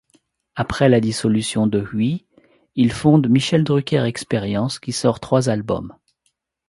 Après la dissolution de Huy!, il fonde Michel Drucker Expérience, qui sort trois albums.